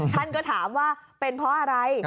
ท่านก็ถามว่าเป็นเพราะอะไร